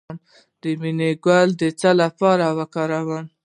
د مڼې ګل د څه لپاره وکاروم؟